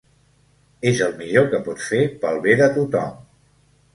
És el millor que pots fer pel bé de tothom.